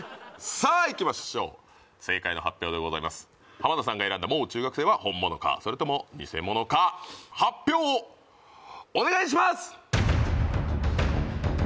さあいきましょう正解の発表でございます浜田さんが選んだもう中学生は本物かそれともニセモノか発表をお願いします！